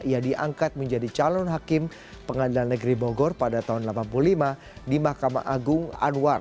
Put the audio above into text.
ia diangkat menjadi calon hakim pengadilan negeri bogor pada tahun seribu sembilan ratus delapan puluh lima di mahkamah agung anwar